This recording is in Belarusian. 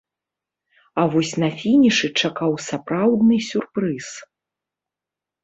А вось на фінішы чакаў сапраўдны сюрпрыз.